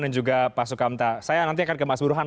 dan juga pak sukamta saya nanti akan ke mas buruhan